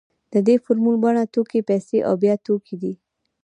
د دې فورمول بڼه توکي پیسې او بیا توکي ده